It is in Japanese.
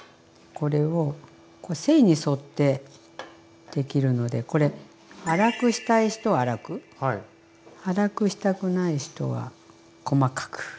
これをこれ繊維に沿ってできるのでこれ粗くしたい人は粗く粗くしたくない人は細かく。